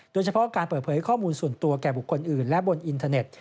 โดยเฉพาะการเปิดเผยข้อมูลส่วนตัวแก่บุคคลอื่นและบนอินเทอร์เน็ต